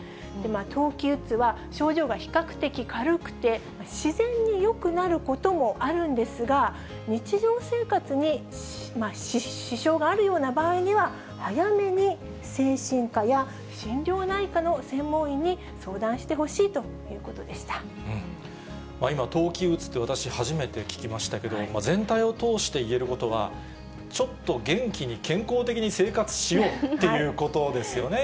冬季うつは、症状が比較的軽くて、自然によくなることもあるんですが、日常生活に支障があるような場合には、早めに精神科や心療内科の専門医に相談してほしいということでし今、冬季うつって私、初めて聞きましたけど、全体を通して言えることは、ちょっと元気に健康的に生活しようということですよね。